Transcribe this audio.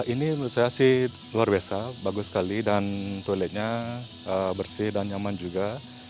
ini menurut saya sih luar biasa bagus sekali dan toiletnya bersih dan nyaman juga